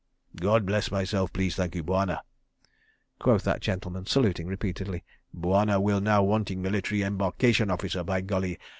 "God bless myself please, thank you, Bwana," quoth that gentleman, saluting repeatedly. "Bwana will now wanting Military Embarkation Officer by golly.